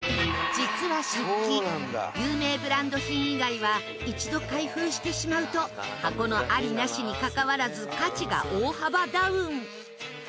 実は食器有名ブランド品以外は一度開封してしまうと箱のありなしにかかわらず価値が大幅ダウン。